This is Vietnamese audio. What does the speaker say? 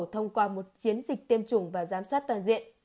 thông qua một chiến dịch tiêm chủng và giám sát toàn diện